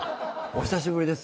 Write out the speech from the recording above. お久しぶりです